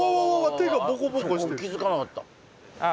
手がボコボコしてるそこ気づかなかったああ